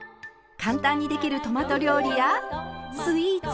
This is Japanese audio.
簡単にできるトマト料理やスイーツ。